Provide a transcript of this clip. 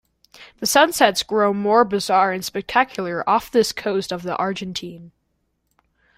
The sunsets grow more bizarre and spectacular off this coast of the Argentine.